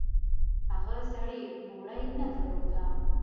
هغه سړي بوړۍ نه درلوده.